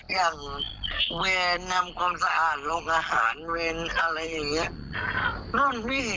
อย่างเวรนำความสะอาดลงอาหารเวรอะไรอย่างนี้